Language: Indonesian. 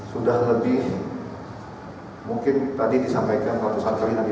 sudah lebih mungkin tadi disampaikan empat ratus kali nanti